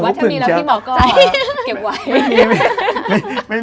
ถ้ามีแล้วพี่หมอก็เก็บไว้